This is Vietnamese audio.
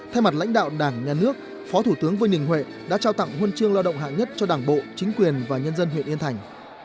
thay mặt lãnh đạo đảng nhà nước phó thủ tướng vương đình huệ đã trao tặng huân chương lao động hạng nhất cho đảng bộ chính quyền và nhân dân huyện yên thành